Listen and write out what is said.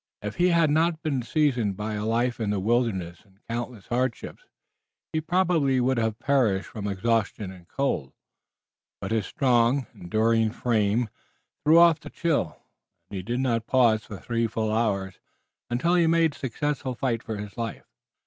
If he had not been seasoned by a life in the wilderness and countless hardships he probably would have perished from exhaustion and cold, but his strong, enduring frame threw off the chill, and he did not pause for three full hours until he had made a successful fight for his life.